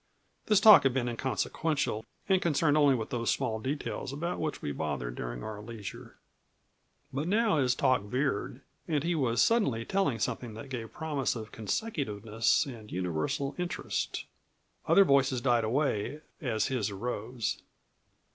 This talk had been inconsequential and concerned only those small details about which we bother during our leisure. But now his talk veered and he was suddenly telling something that gave promise of consecutiveness and universal interest. Other voices died away as his arose.